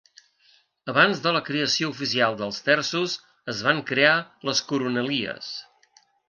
Abans de la creació oficial dels terços es van crear les coronelies.